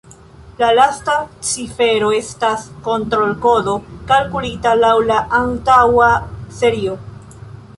La lasta cifero estas kontrol-kodo kalkulita laŭ la antaŭa serio.